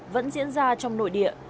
vẫn diễn ra trong nội địa